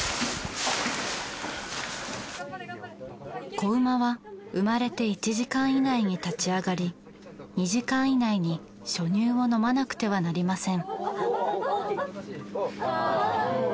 子馬は生まれて１時間以内に立ち上がり２時間以内に初乳を飲まなくてはなりません。